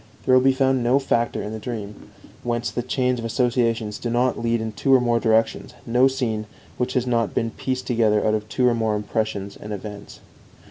There will be found no factor in the dream whence the chains of associations do not lead in two or more directions, no scene which has not been pieced together out of two or more impressions and events.